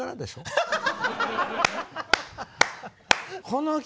ハハハハハ。